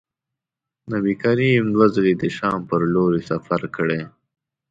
نبي کریم دوه ځلي د شام پر لوري سفر کړی.